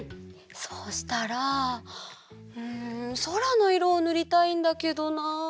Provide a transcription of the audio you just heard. そうしたらんそらのいろをぬりたいんだけどな。